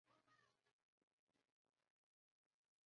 在黑暗中进行